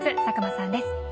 佐久間さんです。